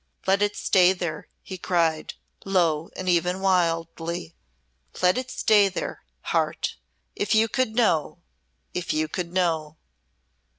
"Let it stay there," he cried, low and even wildly. "Let it stay there Heart. If you could know if you could know!"